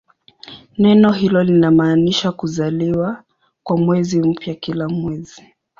Neno hilo linamaanisha "kuzaliwa" kwa mwezi mpya kila mwezi.